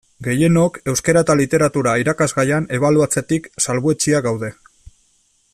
Gehienok Euskara eta Literatura irakasgaian ebaluatzetik salbuetsiak gaude.